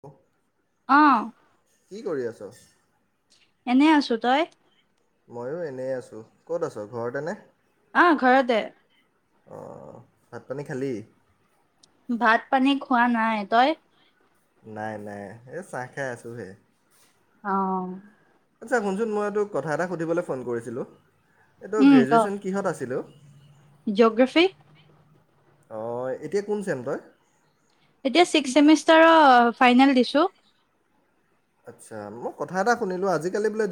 হ [unintelligible] অ। কি কৰি আছ? এনে আছো তই? মইো এনে আছো। ক'ত আছো ঘৰতে নে? অ ঘৰতে। অ। ভাত পানী খালি? ভাত পানী খোৱা নাই, তই? নাই নাই এই ছাহ খাই আছোঁহে। অ। আচ্ছা শুনচোন মই এই তোক কথা এটা সুধিবলৈ ফোন কৰিছিলোঁ। এইটো গ্ৰেজুৱেচন কিহত আছিলে অ? জিঅগ্ৰাফি। অঁ এতিয়া কোন ছেম তই? এতিয়া ছিক্স চেমিষ্টাৰৰ ফাইনেল দিছো। আচ্ছা মই কথা এটা শুনিলোঁ আজিকালি বোলে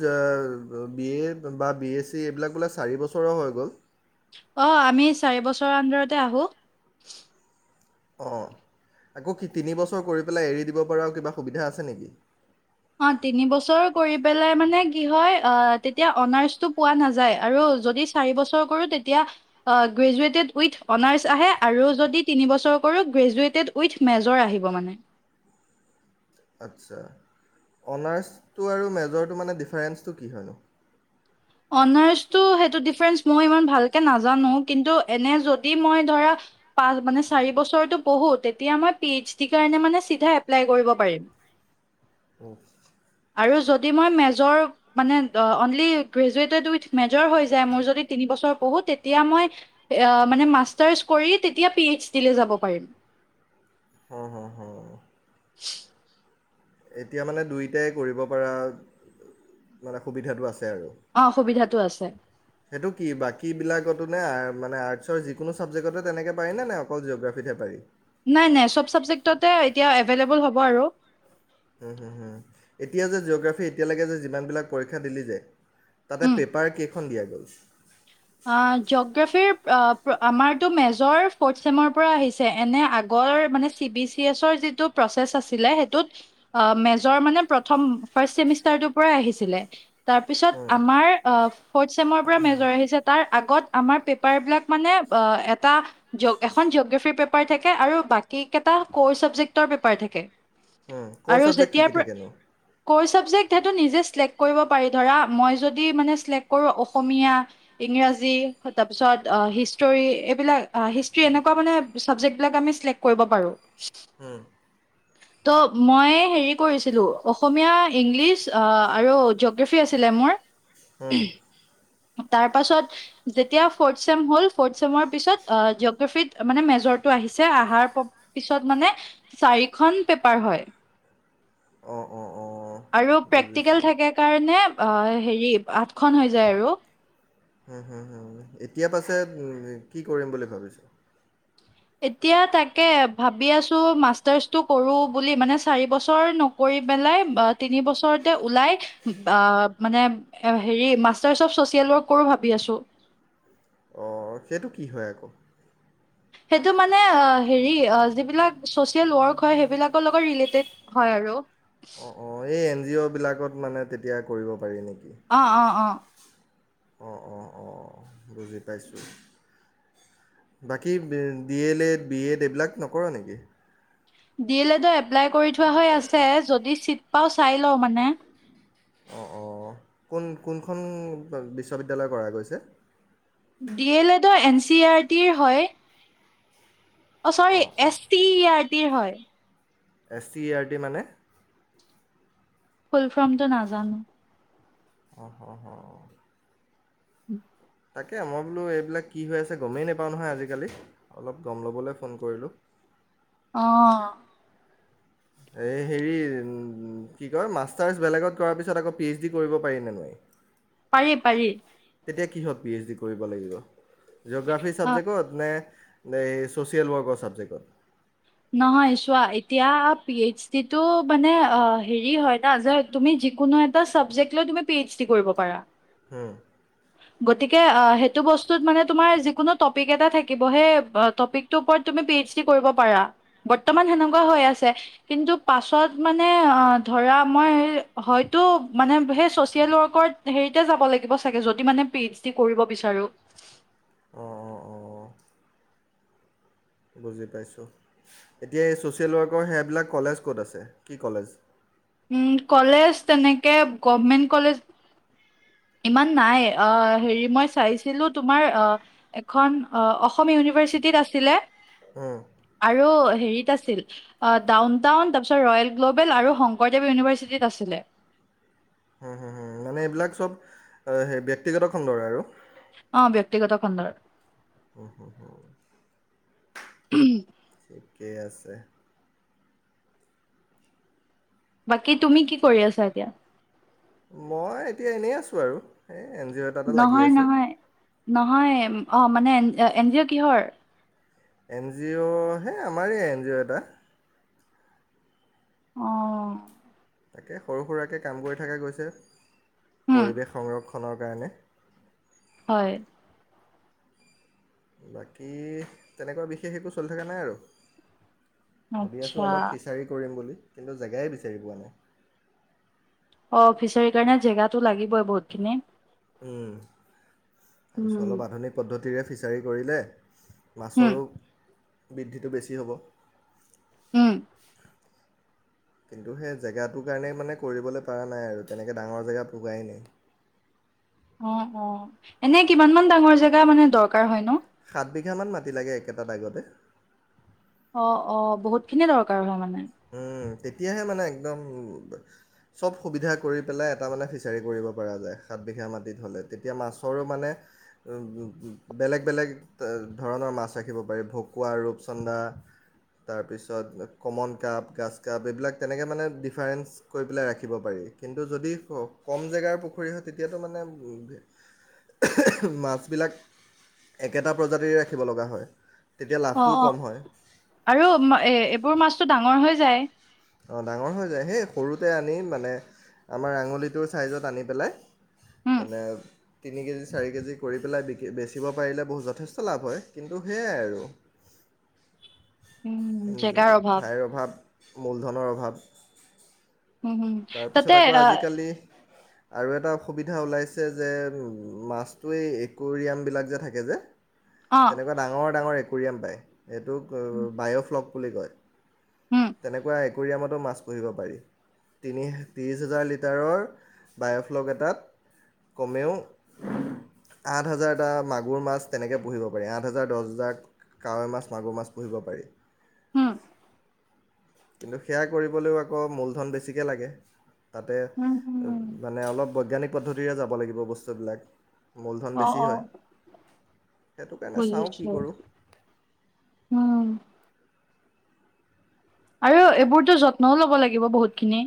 বি এ বা বি এ চি এইবিলাক বোলে চাৰি বছৰৰ হৈ গ'ল। অ আমি চাৰি বছৰৰ আন্দৰতে আহোঁ। অ, আকৌ তিনিবছৰ কৰি পেলাই এৰি দিব পৰা আৰু কিবা সুবিধা আছে নেকি? অ, তিনিবছৰ কৰি পেলাই মানে কি হয়? তেতিয়া অনাৰছটো পোৱা নাযায় আৰু যদি চাৰিবছৰ কৰোঁ, তেতিয়া গ্ৰেজুৱেটেড উইথ অনাৰ্ছ আহে আৰু যদি তিনিবছৰ কৰোঁ, গ্ৰেজুৱেটেড উইথ মেজৰ আহিব মানে। আচ্ছা, অনাৰ্ছটো আৰু মেজৰটো মানে ডিফাৰেন্ঞ্চটো কি হয়নো? অনাৰ্চটো সেইটো ডিফাৰেন্ঞ্চ মই ইমান ভালকে নাজানো, কিন্তু এনে যদি মই ধৰা পাচ মানে, চাৰি বছৰটো পঢ়োঁ তেতিয়া মই পি, এইচ, ডিৰ কাৰণে মই চিধা এপ্লাই কৰিব পাৰিম। অ'। আৰু যদি মই মেজৰ মানে অনলি গ্ৰেজুৱেটেড উইথ মেজৰ হৈ যায়। মোৰ যদি তিনিবছৰ পঢ়োঁ তেতিয়া মই মানে মাষ্টাৰছ কৰি তেতিয়া পি এইচ ডি লৈ যাব পাৰিম। হ, হ, হ। [unintelligible] এতিয়া মানে দুয়োটাই কৰিব পৰা মানে সুবিধাটো আছে। আৰু অ, সুবিধাটো আছে। যে সেইটো কি বাকীবিলাকতো নে মানে আৰ্টচৰ যিকোনো ছাবজেক্টতে তেনেকে পাৰি নে, নে অকল জিঅ'গ্ৰফিতহে পাৰি? নাই, নাই সব চাবজেক্টতে এতিয়া এভেলেবল হ'ব আৰু। এতিয়া যে জিঅ'গ্ৰাফি এতিয়া লৈকে যে যিমানবিলাক পৰীক্ষা দিলি যে তাতে পেপাৰ কেইখন খন দিয়া গ'ল? জগ্ৰাফিৰ পৰা আমাৰটো মেজৰ ফৰ্থ চেমৰ পৰা আহিছে। এনে আগৰ মানে চি বি এচ অৰ যিটো প্ৰচেচ আছিলে। সেইটোত মেজৰ মানে প্ৰথম চেমিষ্টাৰটোৰ পৰাই আহিছিলে। তাৰপিছত হুম আমাৰ ফৰ্থ চেমৰ পৰা মেজৰ আহিছে। ান জগাফ পেপ থ আৰু বাকী কেইৰ থ [inaudible] কৰ' ছাবজেক্ট শিকি থাকেনো। ক সটো নিজে চক্ কৰিব পাৰি ধৰা মই যদি মানে চক্ কৰো অসমীয়া [inaudible] ইংৰাজী তাৰপিছত হিষ্টৰী এইবিলাক হিষ্ট্ৰী এনেকুৱা মানে চাবজেক্টবিলাক আমি চিলেক্ট কৰিব পাৰো। হম। ত' মই হেৰি কৰিছিলো। অসমীয়া, ইংলিছ আৰু জিঅগ্ৰাফী আছিলে। মোৰ হুম উ [inaudible] তাৰ পাছত যেতিয়া ফটচেম হ'ল ফটচেমৰ পিছত অ জিঅগ্ৰাফীত মানে মেজৰটো আহিছে। আহাৰ পিছত মানে চাৰিখন পেপাৰ হয়। অঁ অঁ অঁ আৰু প্ৰেক্টিকেল বুজিছোঁ থাকে কাৰণে হেৰি আঠখন হৈ যায়। আৰু হুম হুম হুম এতিয়া পাছে কি কৰিম বুলি ভাবিছো? এতিয়া তাকে ভাবি আছো [unintelligible] কৰোঁ বুলি মান চাৰ বছৰ নক পেলাই তিনিবছৰ ল মানৱ কৰো অ সেইটো কি হয় আকৌ। সেইটো মানে হেৰি যিবিলাক ছ'চিয়েল ৱৰ্ক হয় সেইবিলাকৰ লগত ৰিলেটেড হয় আৰু। অ, এই এন জি অ'বিলাকত মানে তেতিয়া কৰিব পাৰি নেক অ' অ' অ'। অ-অ-অ বুজি পাইছোঁ, বাকী D El Ed, B El Ed এইবিলাক নকৰ নেকি? ডি এল এডৰ এপ্লাই কৰি থোৱা হৈ আছে। যদি চিট পাওঁ চাই লওঁ মানে কোন-কোনখন বিশ্ববিদ্যালয় কৰা গৈছে? ডি এল এডৰ এন চি আৰ টিৰ হয়। অ' চৰি অঁ অঁ এছ টি আৰ টিৰ হয়। এছ টি ই আৰটি মানে? ফুল ফ্ৰমটো নাজানোঁ। অ' হ-হ উম তাকে মই বোলো এইবিলাক কি হৈ আছে, গমেই নাপাওঁ নহয়, আজিকালি অলপ গম ল'বলৈ ফোন কৰিলোঁ। অ' এই হেৰি কি কয় মাষ্টাৰছ বেলেগত কৰাৰ পিছত, আকৌ পি এইচ ডি কৰিব পাৰিনে নোৱাৰি? পাৰি-পাৰি। তেতিয়া কিহত পি এইচ ডি কৰিব লাগিব? জিওগ্ৰাফি অ চবজেক্টত নে নে এই ছ'চিয়েল ৱৰ্কৰ চাবজেক্টত? নহয় চোৱা এতিয়া পি এইচ ডিটো মানে হেৰি হয় ন' যে তুমি যিকোনো এটা চাবজেক্ট লৈ তুমি পি এইচ ডি কৰিব পাৰা। উম গতিকে সেইটো বস্তুত মানে তোমাৰ যিকোনো টপিক এটা থাকিব সেই টপিকটোৰ ওপৰত তুমি পি এইচ ডি কৰিব পাৰা, বৰ্তমান সেনেকুৱা হৈ আছে। কিন্তু পাছত মানে ধৰা মই হয়তো মানে সেই চচিয়েল ৱৰ্কৰ হেৰিতে যাব লাগিব চাগে যদি মানে পি এইচ কৰিব বিচাৰোঁ। অ'-অ'-অ'-অ' বুজি পাইছোঁ, এতিয়া এই ছ'চিয়েল ৱৰ্কৰ সেইবিলাক কলেজ ক'ত আছে, কি কলেজ? উ কলেজ তেনেকে গভমেন্ট কলেজ ইমান নাই হেৰি মই চাইছিলো তোমাৰ এখন অসম ইউনিভাৰ্চিটিত আছিলে। হুম আৰু হেৰিচ আছিল, ডাউনটাউন, ৰয়েল গ্ল'বেল আৰু শংকৰদেৱ ইনিভাৰ্চি আছিল। উ হুম-হু মানে এইবিলাক চব সেই ব্যয়ক্তিগত খণ্ডৰে আৰু অ ব্যক্তিগত কণ্ন্দাৰ উ, হু, হু। [inaudible] ঠিকেই আছে। বাকী তুমি কি কৰি আছা এতিয়া? মই এতিয়া এনেই আছোঁ আৰু হে এন জিঅ' এটাতে লাগি নহয় আছোঁ। নহয় নহয় অ' মানে এন, এ-এন জিঅ' কিহৰ? এন জিঅ', হে আমাৰে এন জিঅ' এটা। অ'। তাকে সৰু-সুৰাকে কাম কৰি থাকা গৈছে। উম পৰিৱেশ সংৰক্ষ খনৰ কাৰণে। হয়। বাকী তেনেকুৱা বিশেষ একো চলি থকা নাই আৰু। ভাবি আচ্ছা আছোঁ অলপ ফিচাৰী কৰিম বুলি। কিন্তু জেগাই বিচাৰি পোৱা নাই। অ' ফিচাৰী কাৰণে জেগাটো লাগিবই বহুত খিনি। উম। ভাবিছোঁ অলপ আধুনিক পদ্ধ তিৰে ফিছাৰী কৰিলে। উম মাছৰো। বৃদ্ধিটো বেছি হ'ব। উম। কিন্তু হে জেগাটো কাৰণে মানে কৰিবলে পাৰা নাই আৰু তেনেকে ডাঙৰ জেগা পোৱাই নাই। অ', অ' এনে কিমান মান ডাঙৰ জেগা মানে দৰকাৰ হয়নো? সাতবিঘামান মাটি লাগে একেটা দাগতে। অ', অ' বহুত খিনি দৰকাৰ হয় মানে। উম। তেতিয়াহে মানে একদম চব সুবিধা কৰি পেলাই এটা মানে ফিছাৰী কৰিব পৰা যায় সাতবিঘা মাটিত হ'লে। তেতিয়া মাছৰো মানে বেলেগ-বেলেগ ধৰণৰ মাছ ৰাখিব পাৰি। ভকুৱা, ৰূপচন্দা তাৰপিছত কমন কাপ, গাচকাপ এই বিলাক তেনেকে মানে ডিফাৰেঞ্চ কৰি পেলাই ৰাখিব পাৰি। কিন্তু যদি ক-কম জেগাৰ পুখুৰী হয় তেতিয়াতো মানে মাছবিলাক একেটা প্ৰজাতিৰে ৰাখিব লগা হয়। তেতিয়া অ', লাভটোও অ' কম হয় আৰু মা-এ-এবোৰ মাছটো ডাঙৰ হৈ যায়। অঁ ডাঙৰ হৈ যায়। হে সৰুতে আনি মানে আমাৰ আঙুলিটোৰ চাইজত আনি পেলাই উম মানে তিনি কেজি, চাৰি কেজি কৰি পেলাই বিক্ৰী-বেচিব পাৰিলে বহু-যথেষ্ট লাভ হয়। কিন্তু হেয়াই আৰু। উম জেগাৰ অভাৱ। মূল ধনৰ অভাৱ। উম হু তাৰপিছত তাতে আকৌ আ আজিকালি আৰু এটা সুবিধা ওলাইছে যে মাছটোৱেই একুৰিয়াম বিলাক যে থাকে যে তেনেকুৱা ডাঙৰ ডাঙৰ এক ৰিয়াম পায়। এটোক উম অ' বায়'ফ্লগ খুলি কয়। উম তেনেকুৱা একোৰিয়ামতো মাছ পুহিব পাৰি। তিনি ত্ৰিশ হাজাৰ লিটাৰৰ বায়'ফ্লগ এটাত কমেও আঠ হাজাৰটা মাগুৰ মাছ। তেনেকে পুহিব পাৰি আঠ হাজাৰ দহ হাজাৰ কাৱৈ মাছ, মাগুৰ মাছ পুহিব পাৰি। উম। কিন্তু সেয়া কৰিবলৈও আকৌ মূলধন বেছিকে লাগে। তাতে উম উম মানে অলপ বৈজ্ঞানিক। পদ্ধতিৰে যাব লাগিব বস্তুবিলাক। মূলধন অ- বেছি অ হয় সেইটো কাৰণে চাওঁ কি বুজিছো কৰোঁ উম আৰু এইবোৰতো যত্নও লব লাগিব বহুত খিনি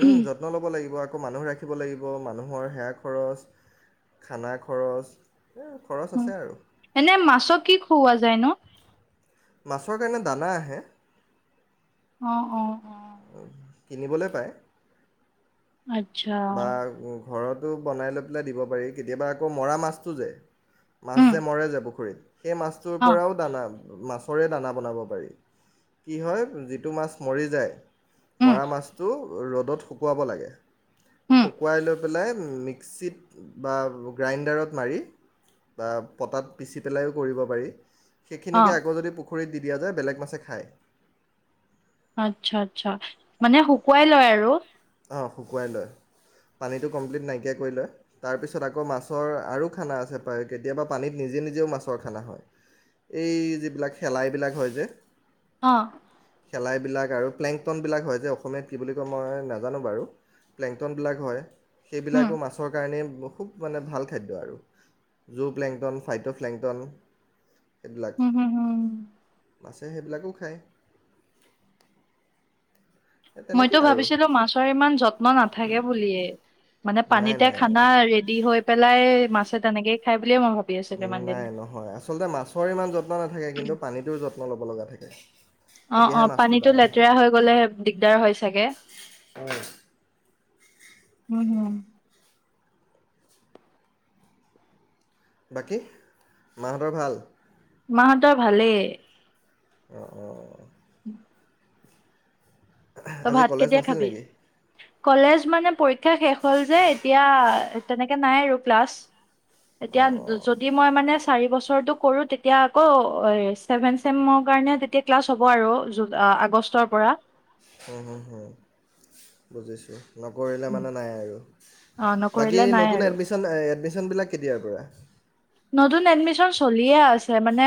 উম যত্ন ল'ব লাগিব আকৌ মানুহ ৰাখিব লাগিব মানুহৰ সেয়াা খৰচ খানা খৰচ। খৰচ আছে আৰু এনে মাছক কি খুওৱা যায় ন' মাছৰ কাৰণে দানা আহে। অ- অ -অ কিনিবলৈ পায়। আচ্ছা। বা ঘৰতো বনাই লৈ পেলাই দিব পাৰি কেতিয়াবা আকৌ মৰা মাছটো যে মাছ উম যে মৰে যোয় পুখুৰীত। সেই মাছটোৰ অ পৰাও দানা। মাছৰে দানা বনাব পাৰি কি হয় যিটো মাছ মৰি যায়। উম মৰা মাছটো ৰ'দত শুকুৱাব লাগে উম শুকুৱাই লৈ পেলাই। মিক্সিত বা গ্ৰাইণ্ডাৰত মাৰি বা পটাত পিচি পেলাইো কৰিব পাৰি। অ সেইখিনিকে আকৌ যদি পুখুৰিত খৰিত দি দিয়া যায় বেলেগ মাছে খায় আচ্ছা আচ্ছা মানে শুকুৱাই লয় আৰু। অঁ শুকুৱাই লয় পানীটো কমপ্লিট নাইকিয়া কৰি লয় তাৰপিছত আকৌ মাছৰ আৰু খানা আছে কেতিয়াবা পানীত নিজে নিজেও মাছৰ খানা হয় এই যিবিলাক শেলাইবিলাক হয় যে। অ' পালাই বিলাক আৰু প্লেংটন বিলাক হয় যে অসমীয়াত কি বুলি কয় মই নাজানোঁ নাজানো বাৰু প্লেংটন বিলাক হয়। উম, সেইবিলাকো মাছৰ কাৰণে খুব মানে ভাল খাদ্য আৰু জু প্লেংটন ফাইট প্লেংটন। সেইবিলাক হুম, হুম, হুম। নাচে সেইবিলাকো খাই হয়। মইতো ভাবিছিলো মাছৰ ইমান যত্ন নাথাকে বুলিয়ে মানে নাই পানীতে নাই খানা ৰেডি হৈ পেলাই মাছে তেনেকে। খাই বুলিয়েই মই ভাবো নাই নহয় আচলতে মাছৰ ইমান যত্ন নাথাকে কিন্তু পানীতো যত্ন ল'ব লগা থাকে। উ [unintelligible] অ' অ' পানীটো লেতেৰা হৈ গ'লেহে দিগদাৰ হয় চাগে? হম, হম। বাকী মাহঁতৰ ভাল? মাহঁতৰ ভালেই। অ -অ -অ। উম। ত আজি ভাত কলেজ কেতিয়া নাছিল খাবি? নেকি? কলেজ মানে পৰীক্ষা শেষ হ'ল যে, এতিয়া তেনেকে নাই আৰু ক্লাছ। এতিয়া অঁ অঁ যদি মই মানে চাৰি বছৰটো কৰো তেতিয়া আকৌ চেবেন চেমৰ কাৰনে তেতিয়া ক্লাছ হব আৰু আগষ্টৰ পৰা। হা হা হা বুজিছোঁ। নকৰিলে মানে নাই আৰু, অ' নকৰিলে বাকী নাই নতুন আৰু এডমিচন? এডমিচন বিলাক কেতিয়াৰ পৰা? নতুন এডমিচন চলিয়ে আছে, মানে,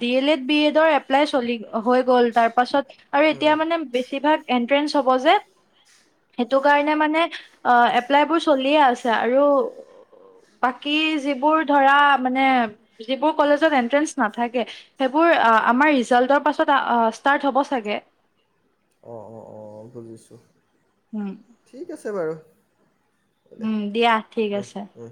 ডি এল এড, বি এডৰ এপ্লাই চলি, হৈ গ'ল তাৰ পাছত আৰু হুম এতিয়া মানে বেছিভাগ এ এন্ট্ৰেচ হব যে এইটো কাৰনে মানে এপ্লাইবোৰ চালিয়ে আছে আৰু বাকী যিবোৰ ধৰা যিবোৰ কলেজত এন্টেন্ঞ্চ নাথাকে সেইবোৰ আমাৰ ৰিজাল্টৰ পাছত ষ্টাৰট হ'ব চাগে। অ' অ' অ' বুজিছো। উম। আছে বাৰু। উম দিয়া ঠিক আছে। দে